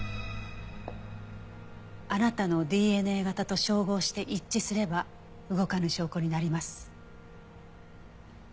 あなたのＤＮＡ型と照合して一致すれば動かぬ証拠になります。